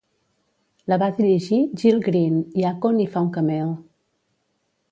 La va dirigir Gil Green i Akon hi fa un cameo.